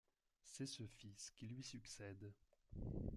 C'est ce fils qui lui succède.